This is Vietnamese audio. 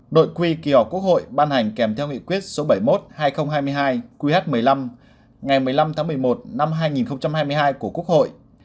nội quy kỳ họp quốc hội ban hành kèm theo nghị quyết số bảy mươi một hai nghìn hai mươi hai qh một mươi năm ngày một mươi năm tháng một mươi một năm hai nghìn hai mươi hai của quốc hội